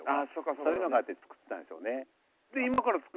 そういうのがあって作ってたんでしょうね。